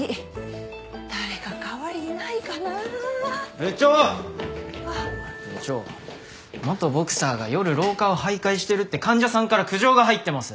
部長元ボクサーが夜廊下を徘徊してるって患者さんから苦情が入ってます。